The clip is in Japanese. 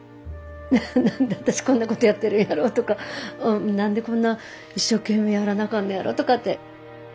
何で私こんなことやってるんやろうとか何でこんな一生懸命やらなあかんのやろうとかって。